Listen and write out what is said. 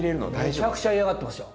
めちゃくちゃ嫌がってますよ。